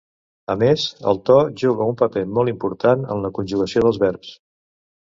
A més, el to juga un paper molt important en la conjugació dels verbs.